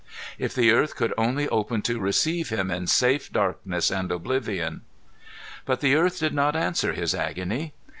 If the earth could only open to receive him in safe darkness and oblivion! But the earth did not answer his agony.